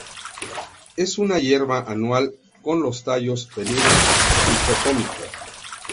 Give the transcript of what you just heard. Es una hierba anual con los tallos peludos, dicotómica.